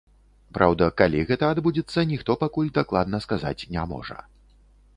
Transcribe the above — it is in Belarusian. Праўда, калі гэта адбудзецца, ніхто пакуль дакладна сказаць не можа.